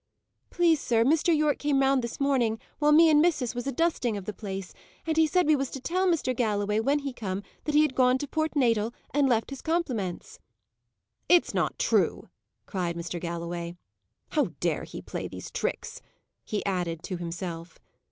"Please, sir, Mr. Yorke came round this morning, while me and missis was a dusting of the place, and he said we was to tell Mr. Galloway, when he come, that he had gone to Port Natal, and left his compliments." "It is not true!" cried Mr. Galloway. "How dare he play these tricks?" he added, to himself.